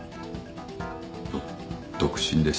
ど独身です。